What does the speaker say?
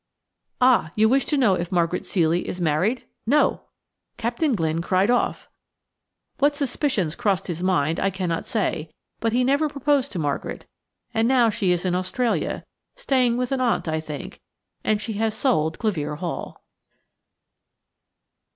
Ah, you wish to know if Margaret Ceely is married? No! Captain Glynne cried off. What suspicions crossed his mind I cannot say; but he never proposed to Margaret, and now she is in Australia–staying with an aunt, I think–and she has sold Clevere Hall.